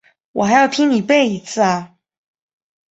我还要听你背一次啊？